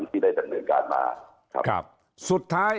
ที่ได้ดำเนินการมา